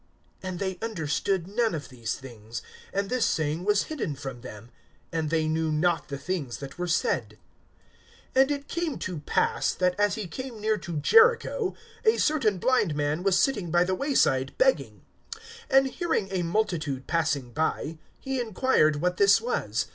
(34)And they understood none of these things; and this saying was hidden from them, and they knew not the things that were said. (35)And it came to pass, that as he came near to Jericho, a certain blind man was sitting by the way side, begging. (36)And hearing a multitude passing by, he inquired what this was.